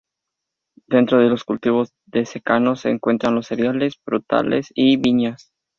Dentro de los cultivos de secano se encuentran los cereales, frutales y viñas.